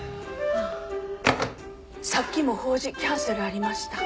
☎さっきも法事キャンセルありました。